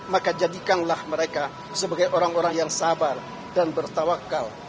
maka jadikanlah mereka sebagai orang orang yang sabar dan bertawakal